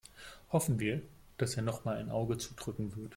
Hoffen wir, dass er nochmal ein Auge zudrücken wird.